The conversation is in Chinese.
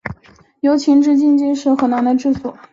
由秦至晋期间一直是河内郡的治所。